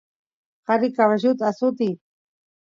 qari caballut asutiy